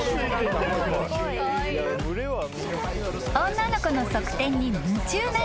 ［女の子の側転に夢中なイルカ］